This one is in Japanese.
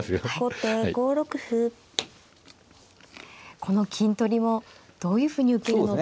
この金取りもどういうふうに受けるのか。